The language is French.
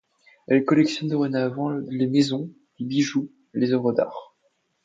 Elle collectionne dorénavant les maisons, les bijoux, les œuvres d’art.